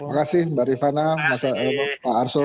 terima kasih mbak rifana pak arsul